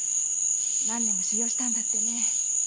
何年も修業したんだってねえ。